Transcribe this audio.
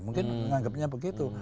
mungkin menganggapnya begitu